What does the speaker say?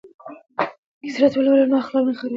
که سیرت ولولو نو اخلاق نه خرابیږي.